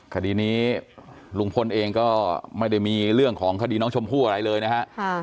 คดีนี้ลุงพลเองก็ไม่ได้มีเรื่องของคดีน้องชมพู่อะไรเลยนะฮะ